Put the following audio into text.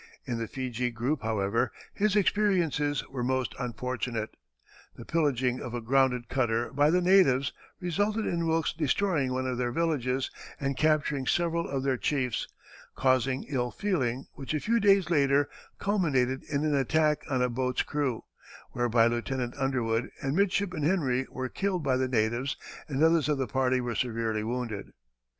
In the Feejee group, however, his experiences were most unfortunate. The pillaging of a grounded cutter by the natives resulted in Wilkes destroying one of their villages and capturing several of their chiefs, causing ill feeling which a few days later culminated in an attack on a boat's crew, whereby Lieutenant Underwood and Midshipman Henry were killed by the natives and others of the party were severely wounded.